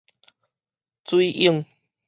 水湧